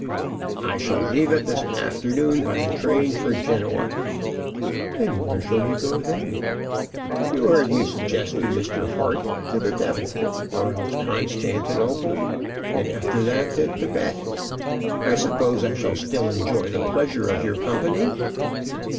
"I shall leave it this afternoon by the train for Genoa." "And where shall you go then?" "You heard me suggest to Mr. Hart to the devil, or else Constantinople, and after that to Thibet. I suppose I shall still enjoy the pleasure of your company?"